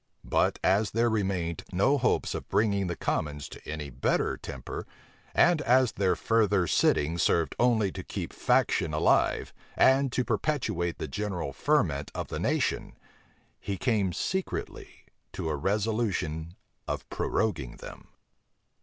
But as there remained no hopes of bringing the commons to any better temper, and as their further sitting served only to keep faction alive, and to perpetuate the general ferment of the nation, he came secretly to a resolution of proroguing them.